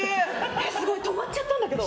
すごい止まっちゃったんだけど。